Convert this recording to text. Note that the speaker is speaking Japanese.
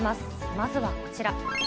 まずはこちら。